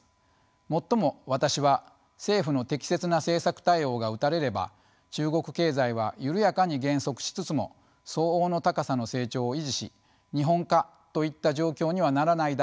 もっとも私は政府の適切な政策対応が打たれれば中国経済は緩やかに減速しつつも相応の高さの成長を維持し「日本化」といった状況にはならないだろうと見ています。